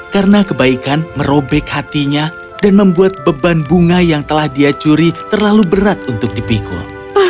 karena kebaikan merobek hatinya dan membuat beban bunga yang telah dia curi terlalu berat untuk dipikul